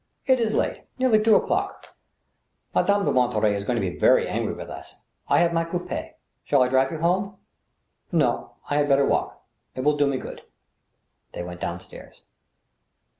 It is late, ... nearly two o'clock. Ma dame de Monterey is going to be very angry with us ... I have my coupL Shall I drive you home ?"" No— I had rather walk. It will do me good." They went down stairs.